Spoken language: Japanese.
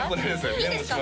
いいんですか？